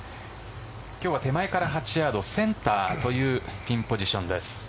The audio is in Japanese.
今日は手前から８ヤードセンターというピンポジションです。